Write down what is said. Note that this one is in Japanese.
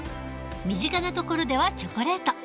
身近なところではチョコレート。